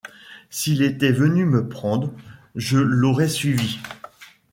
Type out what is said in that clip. S’il était venu me prendre, je l’aurais suivi.